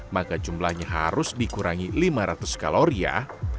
maka jumlahnya harus dikurangi lima ratus kalori ya